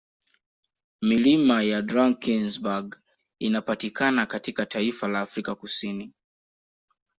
Milima ya Drankesberg Inayopatikana katika taifa la Afrika Kusini